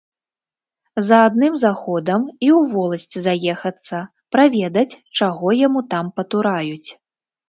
За адным заходам і ў воласць заехацца, праведаць, чаго яму там патураюць.